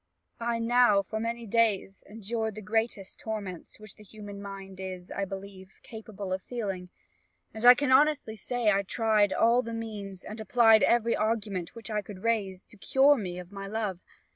"I now, for many days, endured the greatest torments which the human mind is, I believe, capable of feeling; and I can honestly say I tried all the means, and applied every argument which I could raise, to cure me of my love.